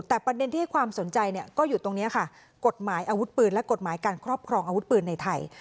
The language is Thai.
แต่ประเด็นที่ให้ความสนใจก็อยู่ตรงนี้ค่ะกฎหมายอาวุธปืนและกฎหมายการครอบครองอาวุธปืนในไทย